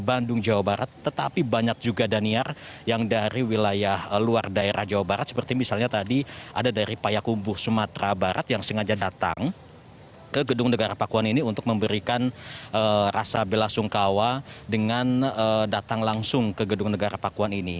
bandung jawa barat tetapi banyak juga daniar yang dari wilayah luar daerah jawa barat seperti misalnya tadi ada dari payakumbu sumatera barat yang sengaja datang ke gedung negara pakuan ini untuk memberikan rasa bela sungkawa dengan datang langsung ke gedung negara pakuan ini